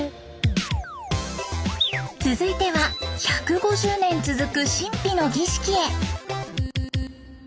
続いては１５０年続く神秘の儀式へ。